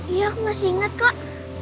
iya aku masih ingat kak